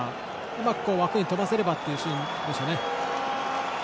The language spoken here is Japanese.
うまく枠に飛ばせればというシーンでしたね。